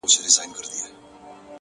ستا سومه؛ چي ستا سومه؛ چي ستا سومه؛